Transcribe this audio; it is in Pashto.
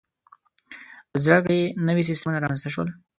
• د زده کړې نوي سیستمونه رامنځته شول.